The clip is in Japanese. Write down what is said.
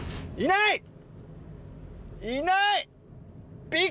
いない！